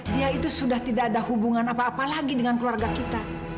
dia itu sudah tidak ada hubungan apa apa lagi dengan keluarga kita